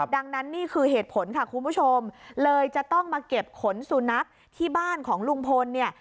ดังนั้นนี่คือเหตุผลค่ะคุณผู้ชมเลยจะต้องมาเก็บขนสุนัขที่บ้านของลุงพลเนี่ย